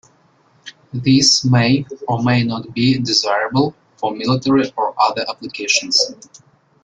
This may or may not be desirable for military or other applications.